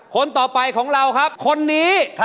คนต่อไปของเราครับคนนี้